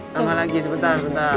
nambah lagi sebentar sebentar